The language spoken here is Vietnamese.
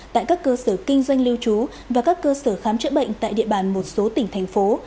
tại các cơ sở kinh doanh lưu trú và các cơ sở khám chữa bệnh tại địa bàn một số tỉnh thành phố